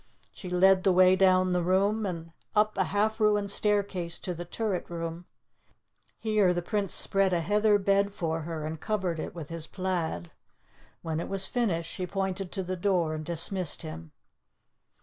She led the way down the room, and up a half ruined staircase to the turret room. Here the Prince spread a heather bed for her, and covered it with his plaid. When it was finished she pointed to the door, and dismissed him.